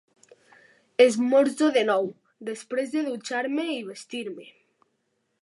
Esmorzo de nou, després de dutxar-me i vestir-me.